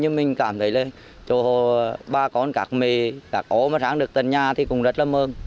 nhưng mình cảm thấy là cho ba con cạc mì cạc ổ mà sáng được tên nhà thì cũng rất là mơ